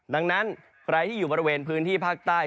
ดังนั้นใครที่อยู่บริเวณพื้นที่ภาคใต้